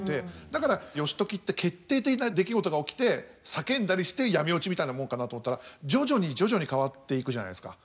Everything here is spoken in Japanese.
だから義時って決定的な出来事が起きて叫んだりして闇落ちみたいなもんかなと思ったら徐々に徐々に変わっていくじゃないですか。